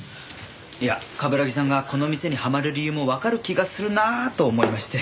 いや冠城さんがこの店にはまる理由もわかる気がするなあと思いまして。